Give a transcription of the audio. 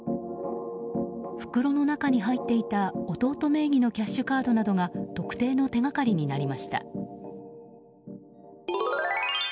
袋の中に入っていた弟名義のキャッシュカードなどが特定の手がかりになりました。